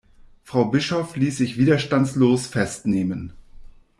Frau Bischof ließ sich widerstandslos festnehmen.